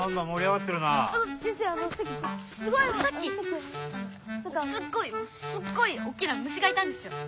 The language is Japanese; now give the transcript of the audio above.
さっきすっごいすっごいおっきな虫がいたんですよ。